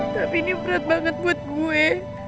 tapi ini berat banget buat gue